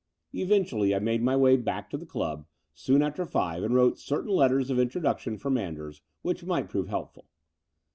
Eventually I made my way back to the club soon after five and wrote certain letters of introduction for Manders, which might prove helpful.